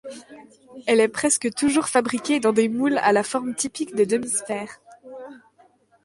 Elle est presque toujours fabriquée dans des moules à la forme typique de demi-sphère.